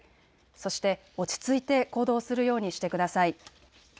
そして落ち着いて行動するようにしてください。